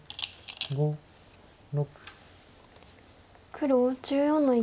黒１４の一。